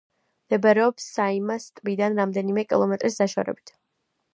მდებარეობს საიმას ტბიდან რამდენიმე კილომეტრის დაშორებით.